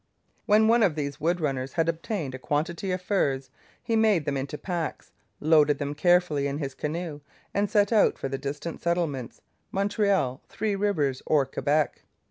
When one of these wood runners had obtained a quantity of furs, he made them up into packs, loaded them carefully in his canoe, and set out for the distant settlements, Montreal, Three Rivers, or Quebec.